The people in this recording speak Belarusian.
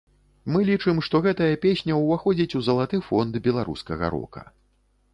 Мы лічым, што гэтая песня ўваходзіць у залаты фонд беларускага рока.